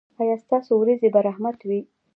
ایا ستاسو ورېځې به رحمت وي؟